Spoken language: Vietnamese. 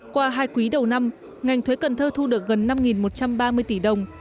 qua hai quý đầu năm ngành thuế cần thơ thu được gần năm một trăm ba mươi tỷ đồng